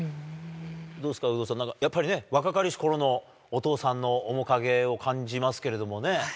どうですか、有働さん、なんか、やっぱりね、若かりしころのお父さんの面影を感じますけれどもね。